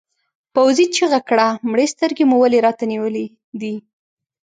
پوځي چیغه کړه مړې سترګې مو ولې راته نیولې دي؟